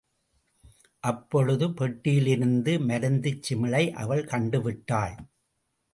அப்பொழுது பெட்டியிலிருந்த மருந்துச் சிமிழை அவள் கண்டுவிட்டாள்.